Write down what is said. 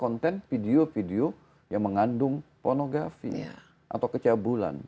konten video video yang mengandung pornografi atau kecabulan